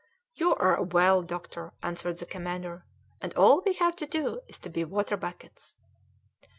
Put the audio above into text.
"You are a well, doctor," answered the commander, "and all we have to do is to be water buckets."